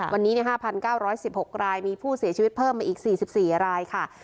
วันนี้๕๙๑๖รายมีผู้เสียชีวิตเพิ่มมาอีก๔๔รายค่ะ